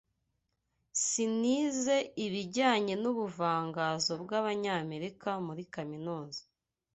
[S] Nize ibijyanye n'ubuvanganzo bw'Abanyamerika muri kaminuza.